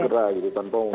segera gitu tanpa mengintip